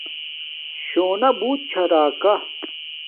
شوناک بوت چھا راکا